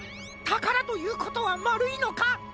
たからということはまるいのか？